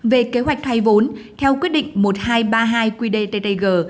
về kế hoạch thoái vốn theo quyết định một nghìn hai trăm ba mươi hai qdttg